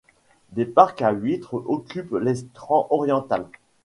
Des parcs à huîtres occupent l'estran oriental.